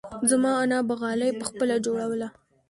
زما انا به غالۍ پخپله جوړوله.